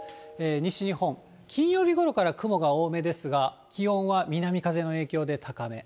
西日本、金曜日ごろから雲が多めですが、気温は南風の影響で高め。